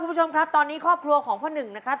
คุณผู้ชมครับตอนนี้ครอบครัวของพ่อหนึ่งนะครับ